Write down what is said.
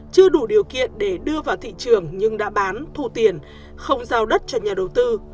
chưa đủ điều kiện để đưa vào thị trường nhưng đã bán thu tiền không giao đất cho nhà đầu tư